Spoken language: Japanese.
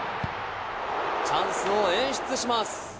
チャンスを演出します。